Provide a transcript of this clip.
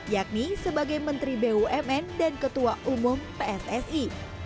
yakni sebagai menteri bumn dan ketua umum pssi